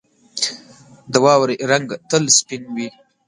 • د واورې رنګ تل سپین وي.